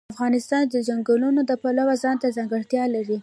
افغانستان د چنګلونه د پلوه ځانته ځانګړتیا لري.